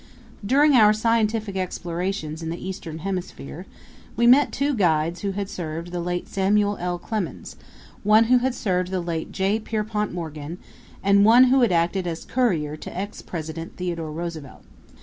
During our scientific explorations in the Eastern Hemisphere, we met two guides who had served the late Samuel L. Clemens, one who had served the late J. Pierpont Morgan, and one who had acted as courier to ex President Theodore Roosevelt.